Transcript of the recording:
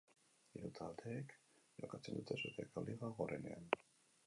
Hiru taldek jokatzen dute Suediako liga gorenean.